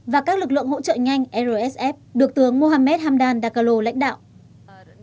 và các lực lượng hỗ trợ nhanh rsf được tướng mohammed hamdan dakolo lãnh đạo